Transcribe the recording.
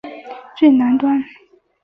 多塞特角是福克斯半岛的最南端。